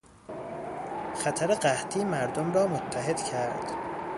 خطر قحطی مردم را متحد کرد.